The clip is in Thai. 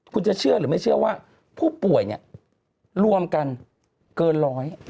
คุณจะเชื่อหรือไม่เชื่อว่าผู้ป่วยเนี่ยรวมกันเกินร้อย